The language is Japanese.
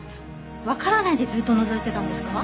わからないでずっとのぞいてたんですか？